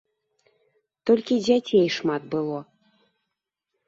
Толькі дзяцей шмат было.